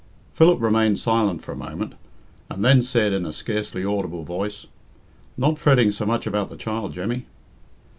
Philip remained silent for a moment, and then said in a scarcely audible voice "Not fretting so much about the child, Jemmy?"